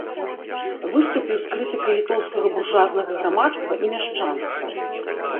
Выступіў з крытыкай літоўскага буржуазнага грамадства і мяшчанства.